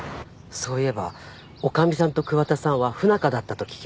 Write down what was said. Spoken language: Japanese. そういえば女将さんと桑田さんは不仲だったと聞きました